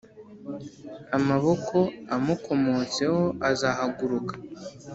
Amaboko amukomotseho azahaguruka